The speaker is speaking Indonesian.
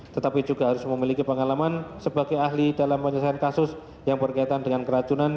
tetapi juga harus memiliki pengalaman sebagai ahli dalam penyelesaian kasus yang berkaitan dengan keracunan